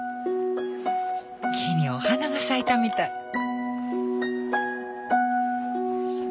木にお花が咲いたみたい。